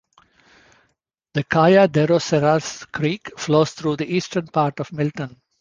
The Kayaderosseras Creek flows through the eastern part of Milton.